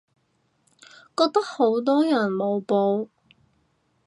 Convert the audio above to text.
覺得好多人冇報